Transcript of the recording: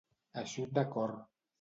Eixut de cor.